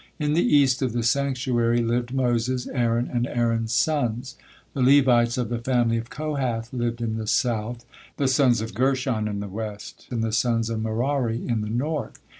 In the East of the sanctuary lived Moses, Aaron, and Aaron's sons; the Levites of the family of Kohath lived in the South, the sons of Gershon in the West, and the sons of Merari in the North.